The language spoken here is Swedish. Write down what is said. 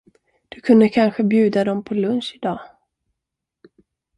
Du kunde kanske bjuda dem på lunch i dag?